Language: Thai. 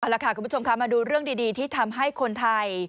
เอาละค่ะคุณผู้ชมค่ะมาดูเรื่องดีที่ทำให้คนไทย